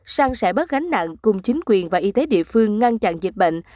sang sẻ bớt gánh nặng cùng chính quyền và y tế địa phương ngăn chặn dịch bệnh